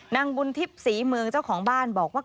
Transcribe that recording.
นางบุญทิพย์ศรีเมืองเจ้าของบ้านบอกว่า